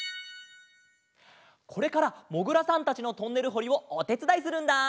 これからもぐらさんたちのトンネルほりをおてつだいするんだ！